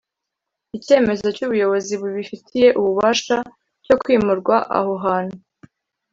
Icyemezo cy’ubuyobozi bubifitiye ububasha cyo kwimurwa aho hantu